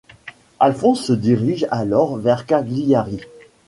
Alfonse se dirige alors vers Cagliari.